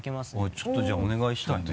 ちょっとじゃあお願いしたいね。